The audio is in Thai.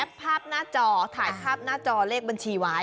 ภาพหน้าจอถ่ายภาพหน้าจอเลขบัญชีไว้